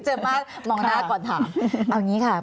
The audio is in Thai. มากมองหน้าก่อนถามเอาอย่างนี้ค่ะ